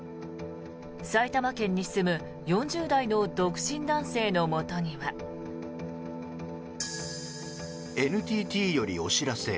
埼玉県に住む４０代の独身男性のもとには。ＮＴＴよりお知らせ。